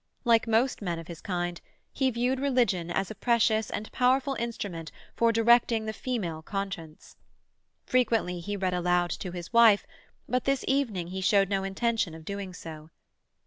Like most men of his kind, he viewed religion as a precious and powerful instrument for directing the female conscience. Frequently he read aloud to his wife, but this evening he showed no intention of doing so.